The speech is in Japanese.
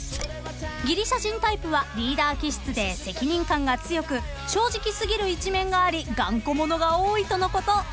［ギリシャ人タイプはリーダー気質で責任感が強く正直過ぎる一面があり頑固者が多いとのこと］